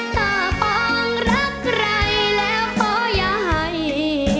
ถ้าปางรักใครแล้วก็อย่าให้